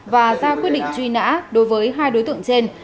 và ra quyết định truy nã đối với hai đối tượng trên